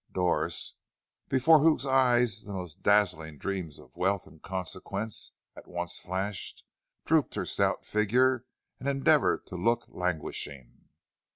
Doris, before whose eyes the most dazzling dreams of wealth and consequence at once flashed, drooped her stout figure and endeavored to look languishing.